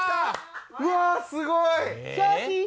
うわすごい！